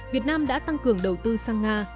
việt nam đã tăng cường đầu tư sang nga